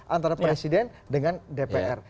antara presiden dengan dpr